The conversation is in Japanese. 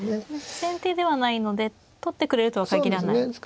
先手ではないので取ってくれるとは限らないですね。